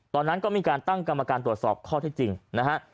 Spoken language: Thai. ตอนนั้นก็มีการตั้งกรรมการตรวจสอบข้อที่จริงนะฮะ